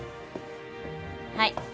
はい。